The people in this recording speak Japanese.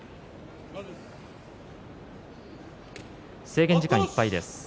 制限時間いっぱいです。